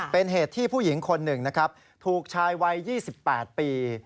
เป็นเหตุที่ผู้หญิงคนหนึ่งทุกชายวัย๒๘ปี